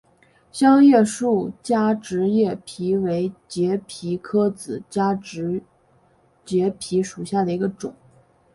香叶树加植节蜱为节蜱科子加植节蜱属下的一个种。